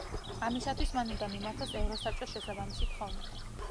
ამისათვის მან უნდა მიმართოს ევროსაბჭოს შესაბამისი თხოვნით.